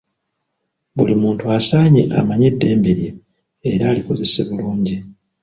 Buli muntu asaanye amanye eddembe lye era alikozese bulungi